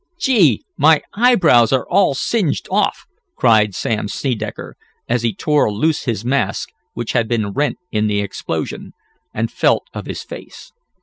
"Gee! My eyebrows are all singed off!" cried Sam Snedecker, as he tore loose his mask which had been rent in the explosion, and felt of his face.